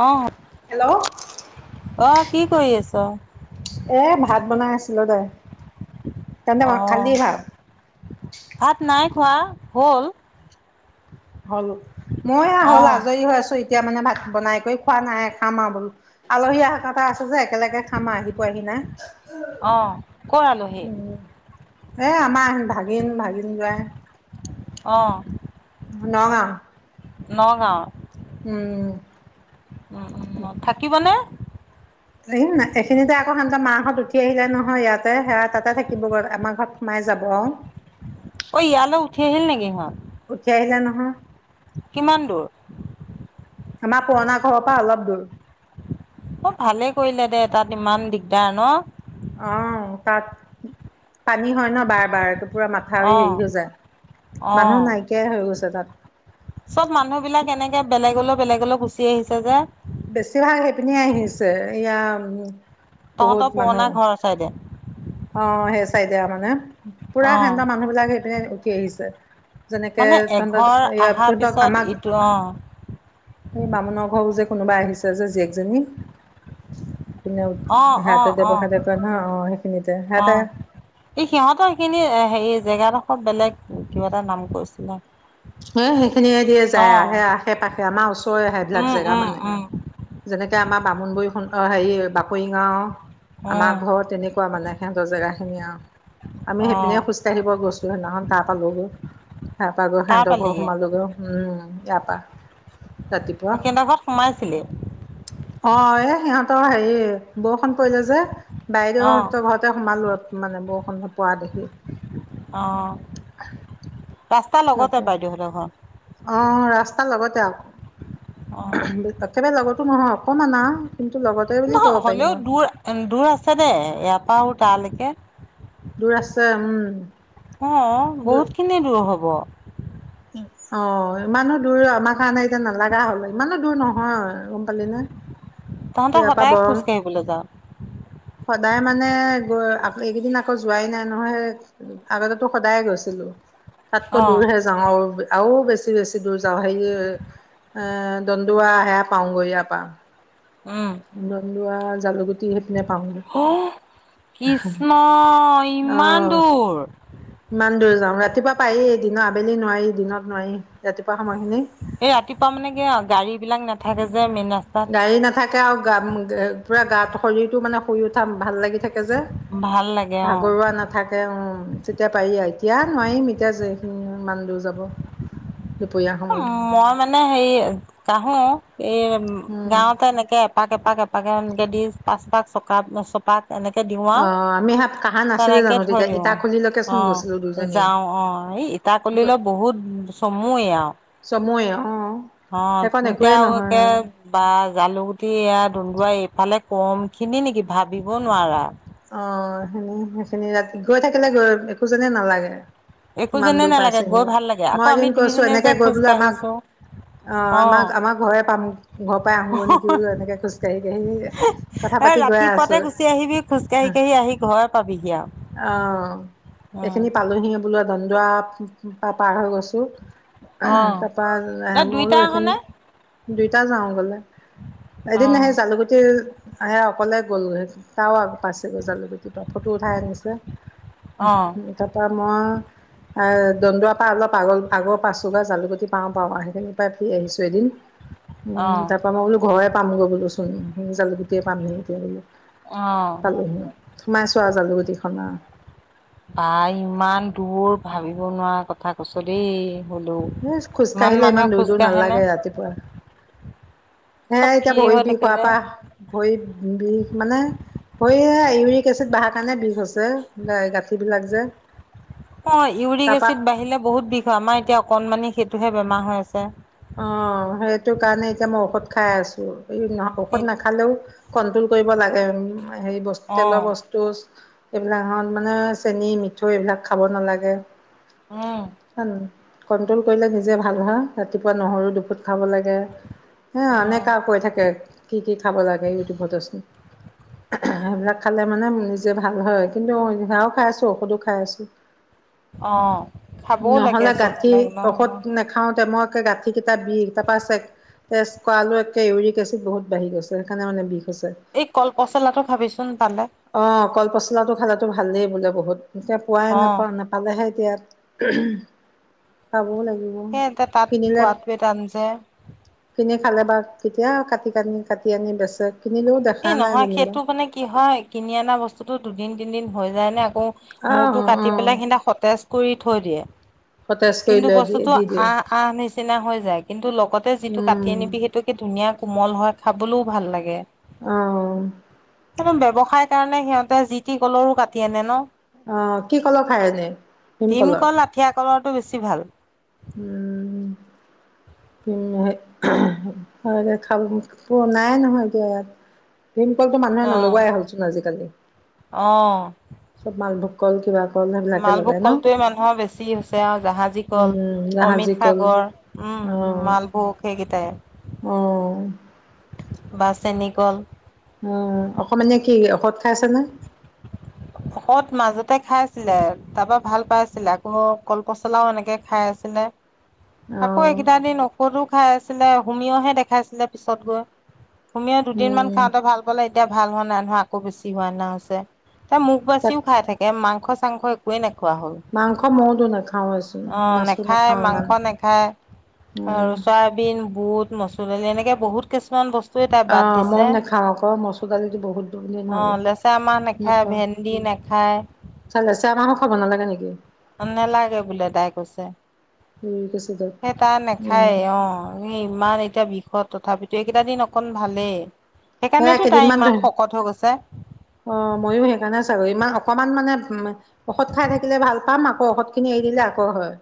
অঁ হেল্ল' অক কি কৰি আছ? এ ভাত বনাই আছিলো দে। তেন্তে ঘত্‌ অহ খালি ভাত? ভাত নাই খোৱা হ'ল? হ'ল ওঁ। মই আ হ'ল অহ আজয়ি হৈ আছোহি। এতিয়া মানে ভাত বনাই কৈ খোৱা নাই খাম আও বুলো, আলহী আহা কথা আছে যে। একেলগে খামআও আহি পোৱাহি নাই। অহ ক'ৰ আলহী হাঁচিওঁ-উম এ আমাৰ ভাগিন, ভাগিন জোঁৱাই। অ' নগাঁও নগাঁও। উম ওঁ ওঁ থাকিবনে? দেখিছেনে নাই? প্ৰেচিডেন্তে আকৌ হাঁত মা হঁত উঠি আহিলে নহয়, ইয়াতে সেয়া তাতে থাকিবগৈ আমা ঘ'ত সোমাই যাব। অই ইয়ালে উঠি আহিল নেকি সিহঁত? উঠি আহিলে নহয়। কিমান দূৰ? আমাৰ পুৰণা ঘৰৰ পৰা অলপ দূৰ অ' ভালে কৰিলে দে তাত ইমান দিগদাৰ ন অ' তাত পানী হয় ন বাৰ বাৰ পুৰা মাথাউৰি অহ হেৰি হৈ যায় অহ মানুহ নাইকিয়াই হৈ গৈছে তাত চব মানুহ বিলাক এনেকে বেলেগ বেলেগ বেলেগ অলৈ গুচি আহিছে যে বেছিভাগ সেইপিনি আহিছে ইয়া [unintelligible] তহঁতৰ পুৰণা ঘৰ চাই দে, অ' হে চাইদিয়া আ মানে পুৰা অহ সেন্ত মানুহ বিলাকে সেইপিনে সি আহিছে। যেনেকে মানে তহঁতৰ এঘৰ এ আহাৰ তহঁতক পিছত আমাক ইটো অহ স বামুণৰ ঘৰ যে, কোনোবাই আহিছে যে জীয়েকজনী কিনে হেতেতি বখ ক না অ' সেইখিনিতে সিহঁতে অ' এই সিহঁতৰ খিনি হেৰি জেগাডোখৰ বেলেগ কিবা এটা নাম কৈছিলে এ হেইখিনিয়েদিয়ে অ যায় আৰু, সেই আশে-পাশে আমাৰ ওচৰৰে হেবিলাক উম জেগা উম মানে। উম যেনেকে আমাৰ বামুনবই সন্থ হেৰি বাকৰি গাওঁ আমাৰ উম ঘৰ তেনেকুৱা মানে সিহঁতৰ জেগাখিনি আৰু আমি অ সেইপিনে খোজকাঢ়িব গৈছিলোঁ সেইদিনাখন তাহ পালোঁগৈ [unintelligible] তাৰ ব পালিগে সোমালগে উম ইয়াৰ পা সেইড ঘৰত সোমাইছিলেই অ এ সিহঁতৰ হেৰি বৰষুণ পৰিলে যে অ বাইদেউহঁতৰ ঘৰতে সোমালোৱঁ মানে বৰষুণত পোৱা দেখি ৰাস্তা লগতে বাইদেউহঁতৰ ঘৰ অহ ৰাস্তাৰ লগতে আক অ তাকে ম লগত শুন নহয় হ'লেও আৰু দূৰ দূৰ আছে দেই ইয়াৰ পৰাা তালৈকে, দূৰ আছে উম, অ, বহুত খিনিয়ে দূৰ হব। হব। অ, ইমানো দূৰ আমাৰ কাৰণে এতিয়া নালাগা হ'ল ইমানো দূৰ নহয় গম পালি নে? তহঁতে ইয়াৰ পৰা সদায় বৰং খোজকাঢ়িবলৈ যাওঁ? সদায় মানে এইকেইদিন আকৌ যোৱাই নাই নহয় আগতেতো সদায় গৈছিলো। তাতকৈ অ দূৰ হে যাওঁ। আৰু বেছি-বেছি দূৰ যাওঁ সেই দণ্ডুৱা হেয়া পাওঁগৈ এয়াৰপা। উম দন্দুৱা, জালুকুটি সেইপিনে পাওঁগৈ অ কৃষ্ণ ইমান অহ, দূৰ ইমান দূৰ যাওঁ। ৰাতিপুৱা পাৰি দিনৰ আবেলি নোৱাৰি দিনত নোৱাৰি ৰাতিপুৱা, সময়খিনি এই, ৰাতিপুৱা মানে কি গাড়ী বিলাক নেথাকে যে - গাড়ী নাথাকে আৰু গাম গ্, পুৰা গাত শৰীৰটো মানে শুই উঠা ভাল লাগি, থাকে যে ভাল লাগে অ ভাগৰুৱা নাথাকে উম, তেতিয়া পাৰি আ, এতিয়া নোৱাৰিম এতিয়া যেখিন ইমান দূৰ যাব। দুপৰীয়া সময়ত মই মানে হেৰি কাহো। এই উম গাঁৱতে এনেকে এপাক- এপাক এ, পাকে গেদি পাঁচপাক চপাক চপাত, এনেকৈ দিওঁ আৰু অ' আমি সাত কাহা নাছিলে তেনেকৈ জানো থৈ তেতিয়া দিওঁ ইটাখুলিলৈকেচোন অহ, গৈছিলো দুজনীয়ে যাওঁ অহ, এই ইটাকলিলৈ বহুত চমুৱেই আৰু, চময়ে অ' অ, সেইকণ তেতিয়া একোৱেই আৰু নহয় একে বা জালুগুটি এয়া দন্দুৱা এইফালে কম খিনি নেকি ভাবিব নোৱাৰা অহ, সে -সেইখিনি ৰাতি গৈ থাকিলে গৈ একো যেনে নালাগে। একো ইমান যেনে দৰ নালাগে গৈ পাইচছোহি ভাল লাগে আকৌ মই আমি এদিন কৈছো দুইজনীয়ে যে এনেকে গৈ খোজ বোলে আমাক কাঢ়িছো অহ, অ আমাক আমাৰ ঘৰে পাম ঘৰ পৰাই আহোগৈ নেকি বোলো এনেকে খোজকাঢ়ি কথা পাতি গৈ আছো। এতিয়া হিকেহি আহি ঘৰ পাবিহি আৰু অ' উম', এইখিনি পালোহি বোলো দন্দুৱা পাৰ হৈ গৈছোঁ। অ'। তাৰপা আঃ ন মই বোলো দুইটা এইখিনি আহনে? দুইটা যাওঁ বলা এদিন সেই অ', জালুকুটি আহে, অকলে গলো হেতেন, তাৱা, পাছে বজালৈকে কিবা ফটো উঠাই আনিছে অ', তাৰপৰা মই, দন্দুৱাৰ পা অলপ আগৰ- আগৰ পাছোঁ বা জালুকুি পাওঁ -পাওঁ সেইখিনি পৰাই ফুৰি আহিছোঁ এদিন। উম, অ', তাৰ পৰা মই বোলো ঘৰে পামগৈ বোলো। জালুগুটিয়ে পাম গে এতিয়া বোলো, - অহ, সোমাইছোঁ আৰু জালুগুটি খানা। বা ইমান দূৰ, ভাবিব নোৱাৰা কথা কৈছ দেই। হ'লেও। এ খোজকাঢ়িলে মানুহে ইমান দূৰ দূৰ খোজকাঢ়েনে নালাগে ৰাতিপুৱা। হে চব এতিয়া ফ্ৰী ভৰি হৈ বিষ থাকে হোৱাৰ যে। পৰা, ভৰি বিষ মানে ভৰি সে ইউৰিক এচিড বহাৰ কাৰণে বিষ হৈছে। যে, গাঁঠি বিলাক যে। অ' ইউৰিক তাৰপা এচিড বাঢ়িলে বহুত বিষ হয়। আমাৰ এতিয়া অকনমানি সেইটোহে বেমাৰ হৈ আছে। অ' সেইটো কাৰণে এতিয়া মই ঔষধ খাই আছোঁ। এই ন এই ঔষধ নাখালেও কন্ট্ৰল কৰিব লাগে। উ হেৰি বস্ত, তেলৰ অ', বস্তু। এইবিলাকত মানে চেনী মিঠৈ এইবিলাক খাব নালাগে। উম। কণ্ট্ৰল কৰিলে নিজে ভাল হয়। সে ৰাতিপুৱা নহৰু দুফুট খাব লাগে। হে, অ', এনেকুৱা কৈ থাকে কি কি খাব লাগে ইউটিউবতে চোন। সেইবিলাক খালে মানে নিজে ভাল হয়। কিন্তু এয়াও খাই আছোঁ, ঔষধো খাই আছোঁ। অ'। খাবও লাগে নহলে চববিলাক গাঁঠিৰ ন' ন' ঔষধ নাখাওতে মই টেই গাঁঠি কেইটা বিষ তাৰ পাৰা চে টেষ্ট কৰালো একে ইউৰিক এচিড বহুত বাঢ়ি গৈছে, সেইকাৰনে মানে বিষ। হৈছে এই কলপচলাটো খাবিচোন পালে। অঁ কল পচলাটো খালেটো ভালেই বোলে বহুত। একে পোৱাই অ'। নাপাওঁ। নাপালেহে ইয়াত। পাব‌ও লাগি সেই এতিয়া তাত পোৱটোৱে টান যে। এনে খালে বা, কেতিয়া কাটি কানি, কাটি আনি বেচে কিনিলেও দেখা এই নাই নহয়। যেনিবা সেইটো মানে কি হয়, কিনি অনা বস্তুটো দু দিন তিনিদিন হৈ যায় ন, অ, অঁ মূৰটো কাটি অঁ পেলাই সেইদিনা সতেজ কৰি থৈ দিয়ে। সতেজ কৰি কিন্তু লৈ দিয়ে বস্তুটো দি দিয়ে আঁহ আঁহ নিচিনা হৈ যায়। কিন্তু লগতে যিটো কাটি আনিবি সেইটো কি ধুনীয়া কোমল হয়। খাবলৈও ভাল লাগে। আহ। সেইবোৰ ব্যৱসায় কাৰণে সিহঁতে জি টি কলৰো কাটি আনে ন? অ, কি কলৰ খাই আনে ভিমকললৰ? কৰাটো বেছি ভাল। উম, ত নাই নহয় ইয়াত। ভীমকলটো মানুহে অ নলোৱাই হ'লচোন আজিকালি অ চব মালভোগ। ক'ল কিবা। কল সেইবিলাকে লগাই মালভোগ ন কলটোৱে মানুহৰ বেছি হৈছে আৰু জাহাজী কল। উম জাহাজী অমিত কল সাগৰ, উম অ' মালভোগ সেইকেইটাই। অ' বা, চেনিকল। উম অকণমান এ কি ঔষধ খাই আছে নে। শকত মাজতে খাই আছিলে, তাৰপা ভাল পাই আছিলে আকৌ কলপচলাও এনেকে খাই আছিলে। আকৌ অ' এইকেইদ দিনঔষধ খাই আছে। ছিলে হুমঅহে দেখাইছিলে পিছত গৈ। তুমিও দুদিনমান উম খাওঁতে ভাল পালে এতিয়া ভাল হোৱা ন, নহয় আকৌ বেছি হোৱা না হৈছে। তাক বাচিও খাই থাকে মাংস। মাংস চাংশ একোৱে নাকে। খোৱা হ'ল মাংস ময়োতো নাখাওঁৱেচোন অ মাছো নাখায় নাখাওঁ ইমান মাংস নাখায় উম চয়াবিন বুট। মসুদালি এনেকে বহু কিছুমান বস্তু। অ, মই নাখাওঁ আকৌ মচুৰ দালিটো বহুত দ নলে নাখাওঁ। দি নাখায়। খাব নালাগে নেকি অ', নেলাগে বোলে তাই কৈছে। ইউৰিক এচিডত? সেই তাই উম, নাখায়ে, অ', ইমান এতিয়া বিষত তথাপিতো এইকেইটা দিন অকণ ভালেই। হে সেইকাৰণেতো তাই কেইদিনমান ইমান ধৰি, শকত হৈ গৈছে অ', ময়ো সেইকাৰণে ছ ইমান অকমান মানে ঔষধ খাই থাকিলে ভাল পাম, আকৌ ঔষধ খিনি এৰি দিলে আকৌ হয়।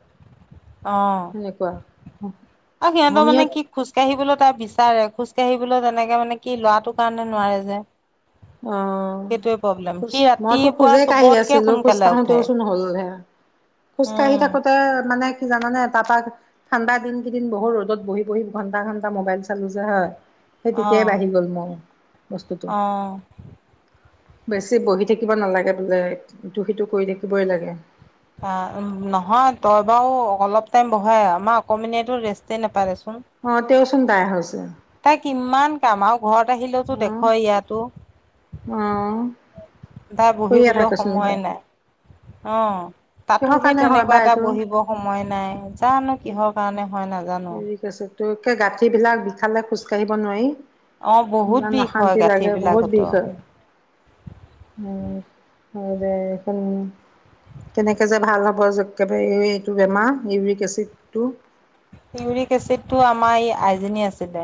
অ' সেনেকুৱা। আৰু সিহঁতৰ মানে হোমিঅত কি খোজকাাঢ়িবলৈ তাৰ বিচাৰে খোজ। খোজকাঢ়িবলৈ তেনেকে মানে কি ল'ৰাটো কাৰণে নোৱাৰে যে। অ' সেইটোৱে প্ৰব্লেম খোজ সি মইতো ৰাতিপুৱা খোজেই কাঢ়ি চবতকে আছিলোঁ, খোজ সোনকালে উঠে কাঢ়োতেওঁ চোন হ'ল হেয়া। খোজ কাঢ়ি উম থাকোঁতে মানে। কি জানানে, তাৰ পৰা ঠাণ্ডা দিন কেইদিন বহুত ৰ'দত বহি বহি ঘণ্টা ঘন্টা মোবাইল চালোঁ যে হয়। সেই তেতিয়াই বাঢ়ি গ'ল মোৰ। বস্তুটো। অহ' বেছি বহি থাকিব নালাগে বোলে, ইটো সিটো কৰি থাকিবই লাগে। অ' নহয় তই বাৰু অলপ টাইম বঢ়াই, আমাৰ অকমানিয়েটো ৰেষ্ট নাপাৰে। অ' তেওঁচোন তাই হৈছে। তাই কিমান কাম আৰু ঘৰত আহিলেওতো অ দেখ ইয়াতো অ' তাই কৰিয়ে বহিবলৈ থাকেচোন সময় তাই নাই, অ'। তাতো কিহৰ সেই কাৰণে হয় তেনেকুৱা বা এটা এইটো বহিব সময় নাই, জানো কিহৰ কাৰণে হয়, নাজানো। তোৰ একে গাঁঠিবিলাক বিষালে খোজকাঢ়িব নোৱাৰি। অ', বহুত ইমান বিষ হয় অশান্তি গাঁঠি লাগে বহুত বিলাকতো, বিষ হয়, উম। [unintelligible] কেনেকে যে, ভাল হ'ব একেবাৰে এইটো বেমাৰ ইউৰিক এচিডটো। ইউৰিক এচিডটো আমাৰ এই আইজনী আছিলে,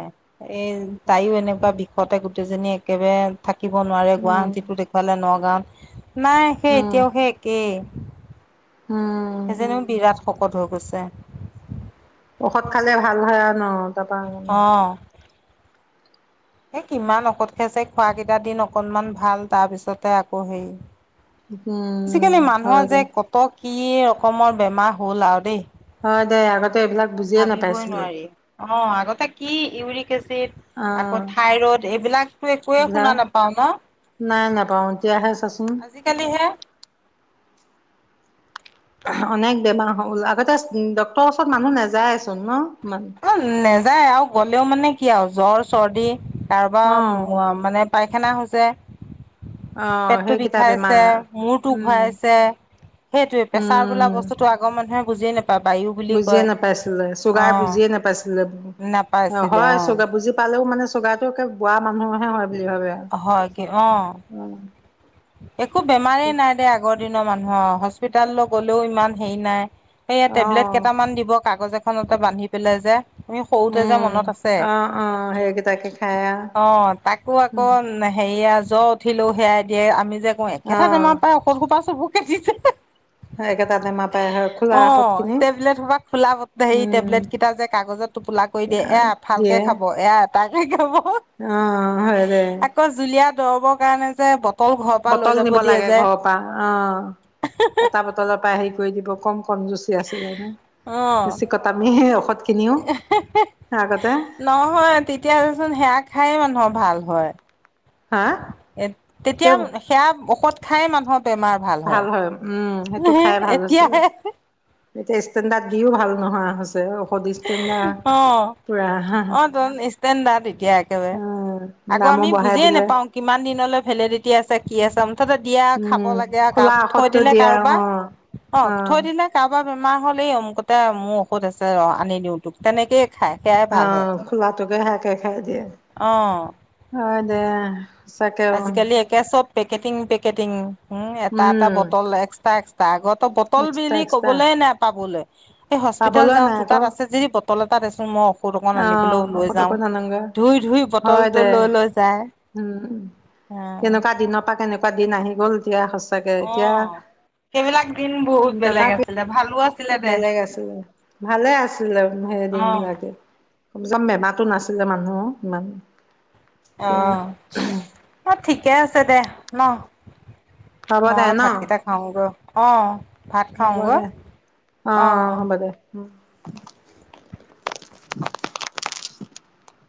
এই তাইও এনেকুৱা বিষতে গোটেইজনী একেবাৰে থাকিব নোৱাৰে উম গুৱাহাটীতো দেখুৱালে, নগাঁৱত নাই সেই এতিয়াও সেই একেই। হম সেইজনীয়ো বিৰাট শকত হৈ গৈছে। ঔষধ খালে ভাল হয়, আৰু ন। তাপা [unintelligible] এ, কিমান ঔষধ খাইছে, খোৱা কেইটাদিন অকনমান ভাল তাৰপিছতে আকৌ হেৰি। উম, আজিকালি মানুহৰ হয়, যে দে কত কি ৰকমৰ বেমাৰ হ'ল আৰু দেই। হয় দে আগতে এইবিলাক বুজিয়ে ভাবিবই নাপাইছিলো নোৱাৰি অ' আগতে কি ইউৰিক এচিড, অ আগতে থাইৰইড এইবিলাকতো একোৱে শুনা এইবিলাক নাপাওঁ ন। নাই নাপাও এতিয়াহে চাচোন আজিকালি হে অনেক বেমাৰ হ'ল আগতে ডক্তৰৰ ওচৰত মানুহ নাযায়চোন ন। ইমান অ নেজ নেযায় আৰু গ'লেও মানে কি আৰু জ্বৰ চৰ্দি কাৰোবাৰ অ মানে পাইখানা হৈছে। অ পেটটো সেইকেইটা বিষাইছে বেমাৰ মূৰটো উম ঘুৱাইছে সেইটোৱে প্ৰেছাৰ বোলা উম বস্তুটো আগৰ মানুহে বুজি নেপায়। বুজিয়ে নাপাইছিলে চুগাৰ বুজিয়ে নোপাইছিল। নাপাইছিলে হয় অ চুগাৰ বুজি পালেও মানে চুগাটো একে বুঢ়া মানুহৰ হে হয়। বুলি ভাবে আৰু। হ কি অ একো বেমাৰেই নাই দে আগত। দিনৰ মানুহ হস্পিতাললৈ গ'লেও ইমান হেৰি নাই। এইয়া অ টেবলেট কেইটামান দিবক কাগজ এখনতে বান্ধি পেলাই যে। তুমি সৰুতে যে উম মনত আছে। অ অ সেইকেইটাকে খাই আ অ তাকো আকৌ হেৰিয়া জ্ব উঠিলো সেয়া দিয়ে আমি যে কও অ একেটাতেমাৰ পৰা ঔষধ সোপা চবোক কে দিছে হে। একে তাতে মাপাই হয় খোলা অ আখত খিনি টেবলেট সো পা খোলা হেৰি উম টেবলেট কেইটা যে কাগজত টোপোলা কৰি দিয়ে, এয়া এফালকে দিয়ে খাব এয়া তাকে কি হ'ব অ হয় দে। জুলীয়া দৰবৰ কাৰণে যে বত বটল নিব লাগে ঘৰৰ পৰা অ এটা বটলৰ পৰা হেৰি কৰি দিব কম। কন যুচি আছে জানে অ' বেকত আমি। ঔষধ খিনিও আগতে নহয় তেতিয়াচোন সেয়া খায়ে মানুহক। ভাল হয়। হা এ তেতিয়া তেওঁ সেয়া ঔষধ। খাই মানুহৱ। বেমাৰ ভাল হয়। উম সেইটো খাই ভালছিলে এতিয়াহে এতিয়া ষ্টেডাৰ। দিও ভাল নহয় হৈছে অ। অ হা অ ত ষ্টেণদাৰ্ত এতিয়া একেবাৰে অ আকৌ দামো আমি বঢ়াই বুজিয়ে দিলে নাপাও কিমান দিনলৈ ভেলেডিটি আছে কি আছে। হঠাতে দিয়া খাব উম লাগে আৰু কাৰ খোলা থৈ ঔষধটো দিলে দিয়ে অ কাৰোবাৰ অ থৈ দিলে কাৰোবাৰ বেমাৰ হ'ল এই অমকুতে মোৰ ঔষধ আছে আ আনি দিওঁ তোক তেনেকেই খাই সেয়াই ভাল হয়। টোকে খাই তাকে খাই দিয়ে অ হয় দে। সঁচাকে অ', আজিকালি একে চব পেকেটিং পেকেটিং। উম এটা এটা বটল এক্স টা এক্সটা আগত ত বটল এক্সট্ৰা বিলি এক্সট্ৰা। কবলে নাই পাবলে। এই হস্পিতেল পাবলৈ যাওঁ নাই তো আকৌ তাত আছে যদি ব তল এটা দেচোন ম পৌত অকণ আনিবলো অ', লৈ যাওঁ, ঔষধকো নানাগে। ধুই ধুই হয় বটলটো দে লৈ লৈ যায়। উম, কেনেকুৱা দিনৰ পৰা কেনেকুৱা দিন আহি [unintelligible] অ এতিয়া সেইবিলাক দিন বহুত বেলেগ তথাপি আছিলে ভালো আছিল বেলেগ আছিলে ভালে আছিলে সেই অ দিন বিলাকে কম চম বেমাৰ তাতো নাছিলে মানুহ ইমান অ এতিয়া অ ঠিকে আছে দে ন হ'ব দে মই ন? ভাতকেইটা খাওঁগৈ অঁ ভাত হ'ব খাওঁগৈ দে অ', অঁ অ', অঁ হ'ব দে উম [unintelligible]